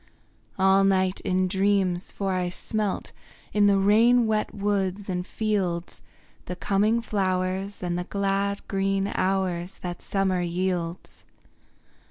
All night in dreams, for I smelt, In the rain wet woods and fields, The coming flowers and the glad green hours That summer yields.